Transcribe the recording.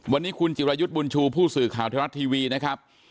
วันนี้คุณจิรายุทธ์บุญชูผู้สื่อข่าวไทยรัฐทีวีนะครับ